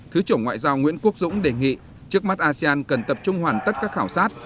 thứ trưởng ngoại giao nguyễn quốc dũng đề nghị trước mắt asean cần tập trung hoàn tất các khảo sát